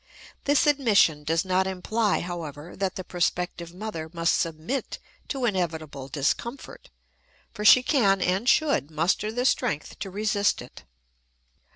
This admission does not imply, however, that the prospective mother must submit to inevitable discomfort, for she can and should muster the strength to resist it.